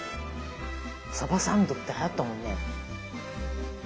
さばサンドってはやったもんね。